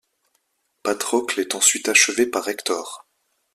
Patrocle est ensuite achevé par Hector.